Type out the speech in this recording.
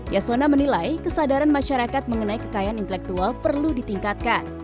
yasona menilai kesadaran masyarakat mengenai kekayaan intelektual perlu ditingkatkan